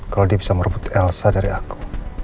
kalau dia bisa merebut elsa dari aku